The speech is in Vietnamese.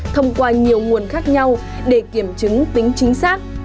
thông qua nhiều nguồn khác nhau để kiểm chứng tính chính xác